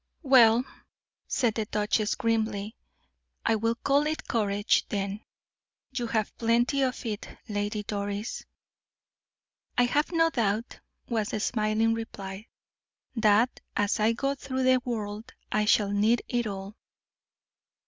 "Well," said the duchess, grimly, "I will call it courage, then; you have plenty of it, Lady Doris." "I have no doubt," was the smiling reply, "that as I go through the world I shall need it all."